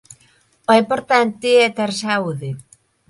o importante é ter saúde.